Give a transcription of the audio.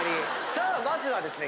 さあまずはですね